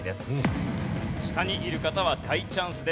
下にいる方は大チャンスです。